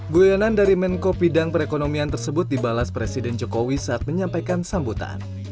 guyonan dari menko bidang perekonomian tersebut dibalas presiden jokowi saat menyampaikan sambutan